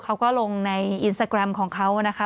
เขาก็ลงในอินสตาแกรมของเขานะคะ